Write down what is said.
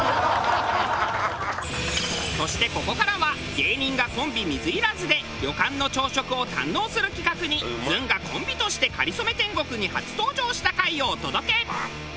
そしてここからは芸人がコンビ水入らずで旅館の朝食を堪能する企画にずんがコンビとして『かりそめ天国』に初登場した回をお届け！